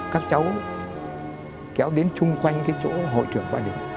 các cháu kéo đến chung quanh cái chỗ hội trưởng ba định